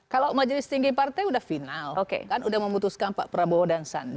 kalau majelis tinggi partai udah final kan sudah memutuskan pak prabowo dan sandi